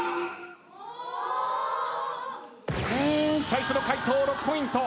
⁉最初の回答６ポイント。